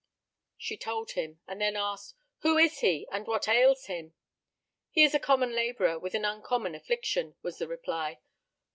She told him, and then asked: "Who is he, and what ails him?" "He is a common laborer with an uncommon affliction," was the reply.